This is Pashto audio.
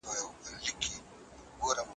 آيا پر خاوند جماع کول واجب دي؟